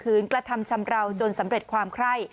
กระทำชำราวจนสำเร็จความไคร่